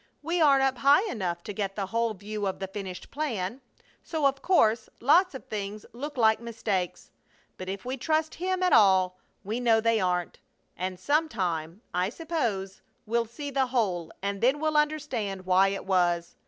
We aren't up high enough to get the whole view of the finished plan, so of course lots of things look like mistakes. But if we trust Him at all, we know they aren't. And some time, I suppose, we'll see the whole and then we'll understand why it was.